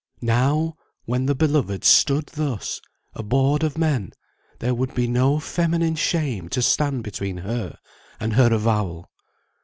Now, when the beloved stood thus, abhorred of men, there would be no feminine shame to stand between her and her avowal.